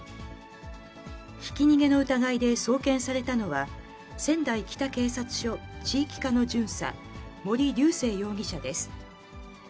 ひき逃げの疑いで送検されたのは、仙台北警察署地域課の巡査、森瑠世容疑者です。